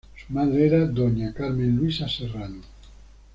Su madre era Dona Carmen Luisa Serrano.